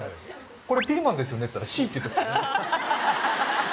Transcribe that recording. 「これピーマンですよね」っていったら「Ｓｉ」っていってましたね